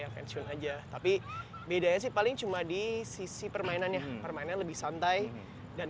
yang pensiun aja tapi bedanya sih paling cuma di sisi permainannya permainan lebih santai dan